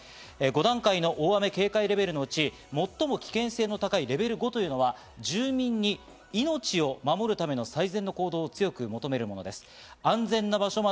５段階の大雨警戒レベルのうち、最も危険性の高いレベル５というのは住民に命を守るための最善の行動を強く求めるものです。